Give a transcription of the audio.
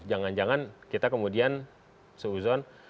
jangan jangan kita kemudian seuzon